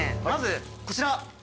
まずこちら。